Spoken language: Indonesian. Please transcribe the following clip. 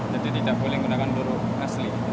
jadi tidak boleh menggunakan peluru asli